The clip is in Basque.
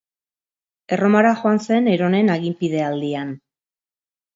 Erromara joan zen Neronen aginpide aldian.